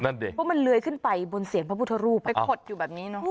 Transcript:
ดิเพราะมันเลื้อยขึ้นไปบนเสียงพระพุทธรูปไปขดอยู่แบบนี้เนอะ